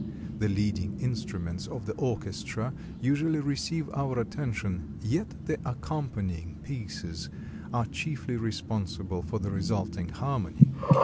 The leading instruments of the orchestra usually receive our attention, yet the accompanying pieces are chiefly responsible for the resulting harmony.